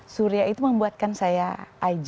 surya itu membuatkan saya ig